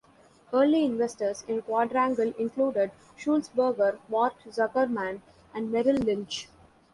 Early investors in Quadrangle included Sulzberger, Mort Zuckerman, and Merrill Lynch.